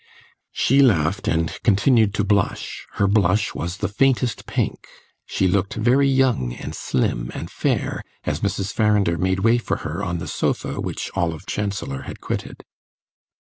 She laughed and continued to blush her blush was the faintest pink; she looked very young and slim and fair as Mrs. Farrinder made way for her on the sofa which Olive Chancellor had quitted.